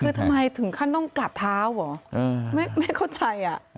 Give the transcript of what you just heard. คือทำไมถึงขั้นต้องกลับเท้าเหรอไม่เข้าใจอ่ะ